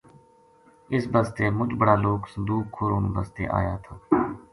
اس بسطے مچ بڑا لوک صندوق کھولن بسطے آیا تھا